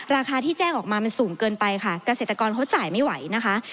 ราคาที่แจ้งออกมามันสูงเกินไปค่ะเกษตรกรเขาจ่ายไม่ไหวนะคะ